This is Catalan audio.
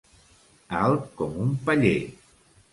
Alt com un paller.